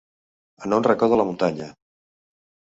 En un racó de la muntanya.